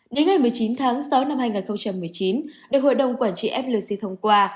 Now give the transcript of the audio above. đến ngày một mươi chín tháng sáu năm hai nghìn một mươi chín được hội đồng quản trị flc thông qua